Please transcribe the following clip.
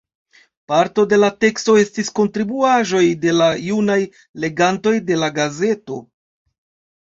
Parto de la tekstoj estis kontribuaĵoj de la junaj legantoj de la gazeto.